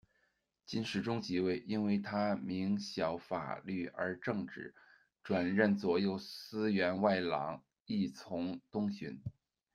金世宗即位，因为他明晓法律而正直，转任左右司员外郎，扈从东巡。